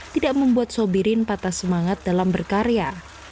tidak membuat sobirin patah semangat dalam berkarya